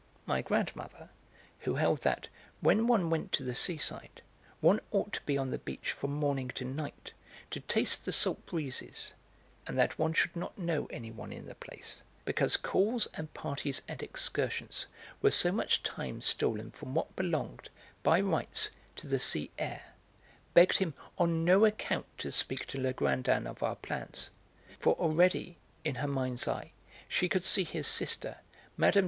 My grandmother, who held that, when one went to the seaside, one ought to be on the beach from morning to night, to taste the salt breezes, and that one should not know anyone in the place, because calls and parties and excursions were so much time stolen from what belonged, by rights, to the sea air, begged him on no account to speak to Legrandin of our plans; for already, in her mind's eye, she could see his sister, Mme.